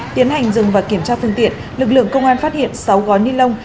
tiến hành dừng và kiểm tra phương tiện lực lượng công an phát hiện sáu gói ni lông